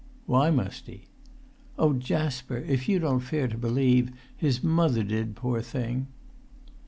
"Why must he?" "Oh, Jasper, if you don't fare to believe, his mother did, poor thing!"